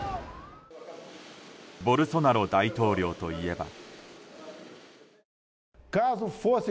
ボルソナロ大統領といえば。